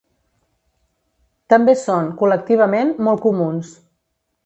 També són, col·lectivament, molt comuns.